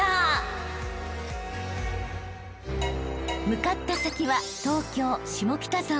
［向かった先は東京下北沢］